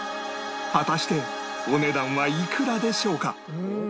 果たしてお値段はいくらでしょうか？